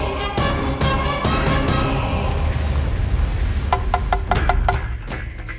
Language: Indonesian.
gagak limang bisa mengangkat mereka semua